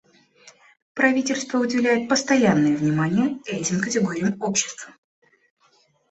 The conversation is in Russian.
Правительство уделяет постоянное внимание этим категориям общества.